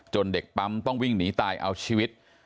เด็กปั๊มต้องวิ่งหนีตายเอาชีวิต